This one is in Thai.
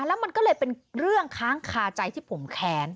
แล้วมันก็เลยเป็นเรื่องค้างคาใจที่ผมแค้น